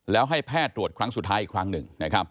แล้วให้แพทย์ตรวจครั้งสุดท้ายอีกครั้งหนึ่ง